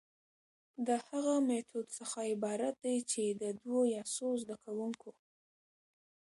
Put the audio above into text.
د هغه ميتود څخه عبارت دي چي د دوو يا څو زده کوونکو،